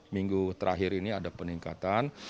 minggu terakhir ini ada peningkatan